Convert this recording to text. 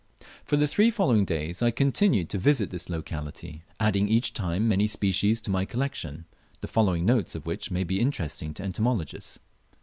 For the three following days I continued to visit this locality, adding each time many new species to my collection the following notes of which may be interesting to entomologists.